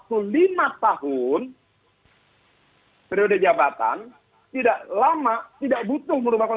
tapi terjadi empat hal itu